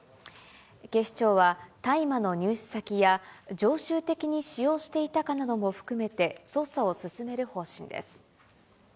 警視庁は大麻の入手先や、常習的に使用していたかなども含めて、捜査を進める方針です。